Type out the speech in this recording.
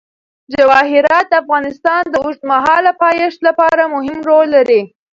جواهرات د افغانستان د اوږدمهاله پایښت لپاره مهم رول لري.